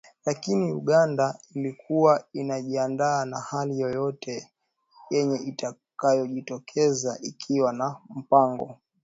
lakini Uganda ilikuwa inajiandaa na hali yoyote yenye itakayojitokeza ikiwa na mpango